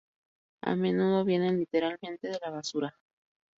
A menudo vienen literalmente de la basura.